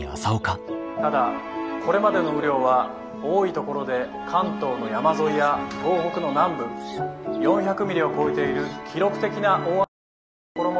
ただこれまでの雨量は多い所で関東の山沿いや東北の南部４００ミリを超えている記録的な大雨になっている所もあります。